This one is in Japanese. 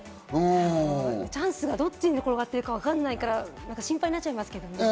チャンスはどっちに転がってるかわかんないから心配になっちゃいますけど。